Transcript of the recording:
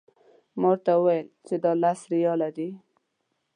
ما ورته وویل چې دا لس ریاله دي.